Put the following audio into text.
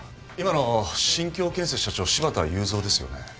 今の新京建設社長柴田雄三ですよね？